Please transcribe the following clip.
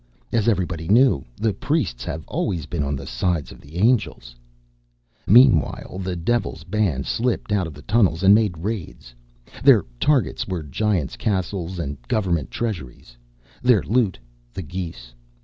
As everybody knew, the priests have always been on the side of the angels. Meanwhile, the Devil's band slipped out of the tunnels and made raids. Their targets were Giants' castles and government treasuries; their loot, the geese.